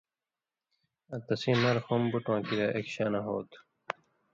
آں تسیں نرخ ہُم بُٹواں کریا اک شاناں ہوتُھو۔۔